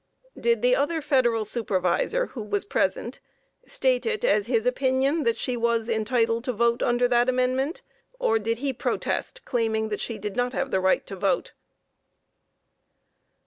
Q. Did the other Federal Supervisor who was present, state it as his opinion that she was entitled to vote under that amendment, or did he protest, claiming that she did not have the right to vote?